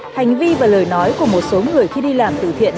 hành vi và lời nói của một số người khi đi làm từ thiện